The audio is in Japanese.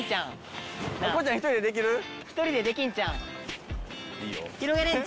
一人でできんちゃうん？